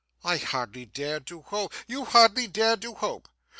'I hardly dared to hope ' 'You hardly dared to hope!